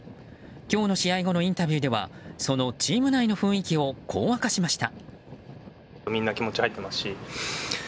今日の試合後のインタビューではそのチーム内の雰囲気をこう明かしました。